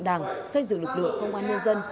đảng xây dựng lực lượng công an nhân dân